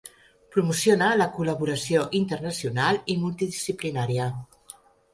Promociona la col·laboració internacional i multidisciplinària.